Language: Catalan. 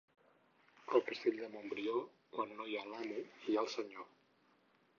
Al castell de Montbrió, quan no hi ha l'amo hi ha el senyor.